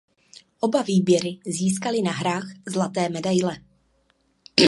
Oba výběry získaly na hrách zlaté medaile.